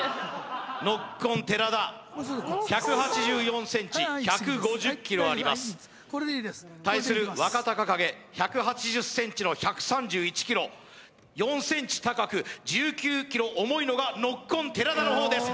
ノッコン寺田１８４ｃｍ１５０ｋｇあります対する若隆景１８０ｃｍの１３１ｋｇ４ｃｍ高く１９ｋｇ重いのがノッコン寺田の方です